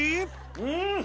うん！